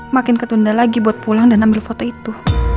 makin ketunda lagi buat pulang dan ambil foto itu